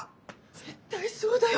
絶対そうだよ。